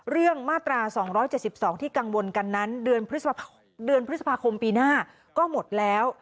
มาตรา๒๗๒ที่กังวลกันนั้นเดือนพฤษภาคมปีหน้าก็หมดแล้ว